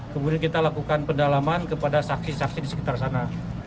kemudian kita lakukan pendalaman kepada saksi saksi di sekitar sana